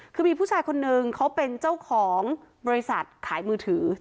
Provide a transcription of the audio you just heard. คือมีผู้ชายคนนึงเขาเป็นเจ้าของบริษัทขายมือถือ